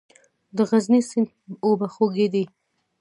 د غزني سیند اوبه خوږې دي؟